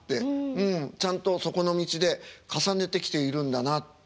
ちゃんとそこの道で重ねてきているんだなって。